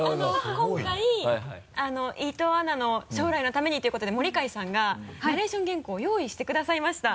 今回伊藤アナの将来のためにということで森開さんがナレーション原稿を用意してくださいました。